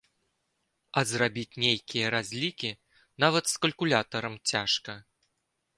А зрабіць нейкія разлікі нават з калькулятарам цяжка.